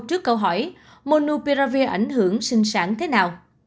trước câu hỏi monuperavir ảnh hưởng sinh sản thế nào